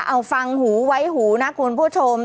เอาฟังหูไว้หูนะคุณผู้ชม